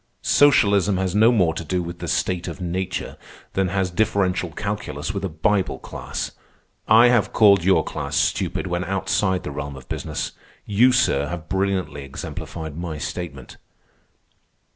Socialism has no more to do with the state of nature than has differential calculus with a Bible class. I have called your class stupid when outside the realm of business. You, sir, have brilliantly exemplified my statement."